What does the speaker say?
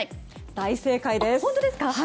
大正解です。